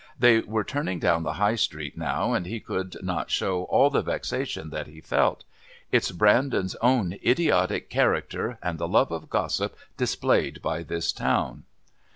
They were turning down the High Street now and he could not show all the vexation that he felt. "It's Brandon's own idiotic character and the love of gossip displayed by this town."